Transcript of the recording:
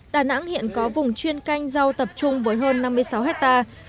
đà nẵng hiện có vùng chuyên canh rau tập trung với hơn năm mươi sáu hectare